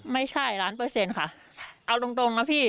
ไม่ใช่ล้านเปอร์เซ็นต์ค่ะเอาตรงตรงนะพี่